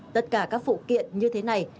tất cả các phụ kiện như thế này